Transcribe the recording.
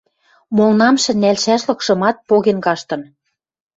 Молнамшы нӓлшӓшлыкшымат поген каштын.